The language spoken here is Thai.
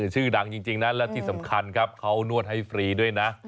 ชื่อดังจริงนะและที่สำคัญครับเขานวดให้ฟรีด้วยนะ